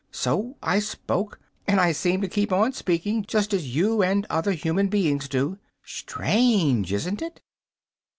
So I spoke, and I seem to keep on speaking, just as you and other human beings do. Strange, isn't it?"